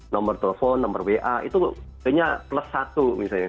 nomor telepon nomor wa itu punya plus satu misalnya